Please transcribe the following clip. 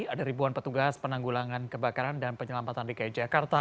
ada ribuan petugas penanggulangan kebakaran dan penyelamatan di kjk